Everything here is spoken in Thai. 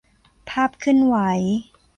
ภาพเคลื่อนไหว